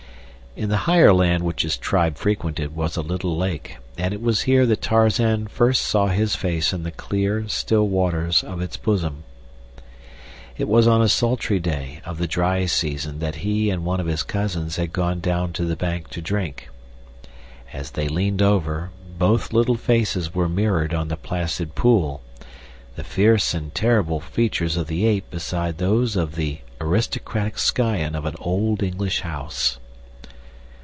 In the higher land which his tribe frequented was a little lake, and it was here that Tarzan first saw his face in the clear, still waters of its bosom. It was on a sultry day of the dry season that he and one of his cousins had gone down to the bank to drink. As they leaned over, both little faces were mirrored on the placid pool; the fierce and terrible features of the ape beside those of the aristocratic scion of an old English house.